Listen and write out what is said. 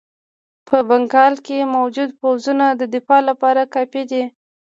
په بنګال کې موجود پوځونه د دفاع لپاره کافي دي.